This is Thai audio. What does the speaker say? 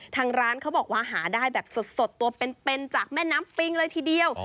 ทางร้านเขาบอกว่าหาได้แบบสดตัวเป็นจากแม่น้ำปิงเลยทีเดียว